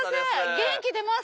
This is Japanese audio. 元気出ます。